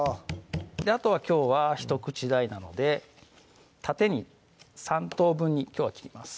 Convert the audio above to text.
ああとはきょうは一口大なので縦に３等分にきょうは切ります